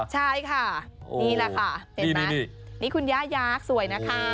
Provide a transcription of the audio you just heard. ใช่ค่ะนี่แหละค่ะเห็นไหมนี่คุณย่ายักษ์สวยนะคะ